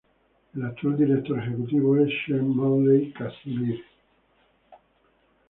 El actual Director Ejecutivo es Sean Manley-Casimir.